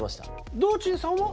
堂珍さんは。